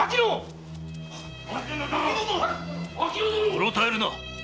うろたえるな！